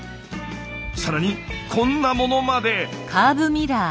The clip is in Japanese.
更にこんなものまで。